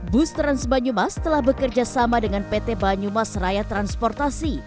bus trans banyumas telah bekerja sama dengan pt banyumas raya transportasi